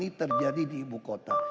ini terjadi di ibu kota